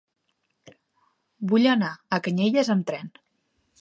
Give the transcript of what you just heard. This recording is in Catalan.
Vull anar a Canyelles amb tren.